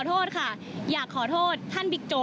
แล้วตอนนี้คณะดิสเครดิตแน่นอนสิพี่เพราะหนูเสียหายอ่ะ